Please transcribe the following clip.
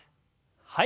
はい。